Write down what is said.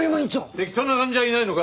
適当な患者はいないのか？